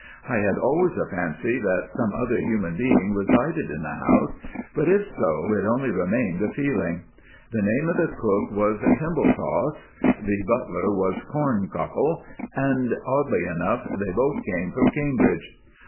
I had always a fancy that some other human being resided in the house; but if so, it only remained a feeling. The name of the cook was Timbletoss, the butler was Corncockle, and oddly enough they both came from Cambridge."